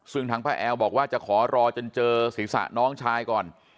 ซึ่งทางป้าแอลบอกว่าจะขอรอจนเจอศีรษะน้องชายก่อน